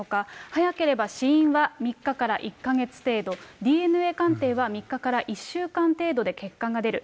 早ければ死因は３日から１か月程度、ＤＮＡ鑑定は３日から１週間程度で結果が出る。